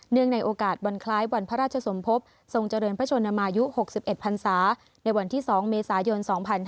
ในโอกาสวันคล้ายวันพระราชสมภพทรงเจริญพระชนมายุ๖๑พันศาในวันที่๒เมษายน๒๕๕๙